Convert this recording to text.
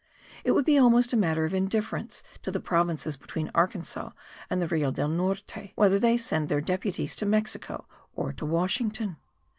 It would be almost a matter of indifference to the provinces between Arkansas and the Rio del Norte whether they send their deputies to Mexico or to Washington.